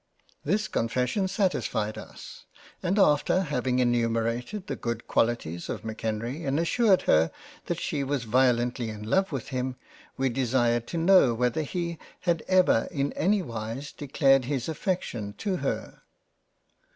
This confession satisfied us and after having enu merated the good Qualities of M'Kenrie and assured her that she was violently in love with him, we desired to know whether he had ever in any wise declared his affection to her.